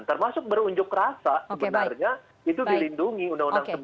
termasuk berunjuk rasa sebenarnya itu dilindungi undang undang sembilan ratus sembilan puluh delapan